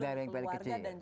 dari yang paling kecil